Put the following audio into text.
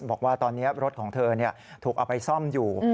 บอกว่าตอนนี้รถของเธอถูกเอาไปซ่อมอยู่